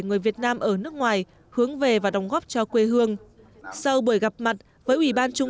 người việt nam ở nước ngoài hướng về và đóng góp cho quê hương sau buổi gặp mặt với ủy ban trung